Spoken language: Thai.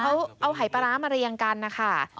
เขาเอาหายปลาร้ามาเรียงกันนะคะ